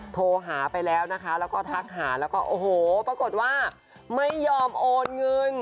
โทรหาไปแล้วนะคะแล้วก็ทักหาแล้วก็โอ้โหปรากฏว่าไม่ยอมโอนเงิน